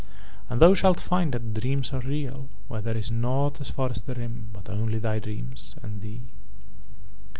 "And thou shalt find that dreams are real where there is nought as far as the Rim but only thy dreams and thee.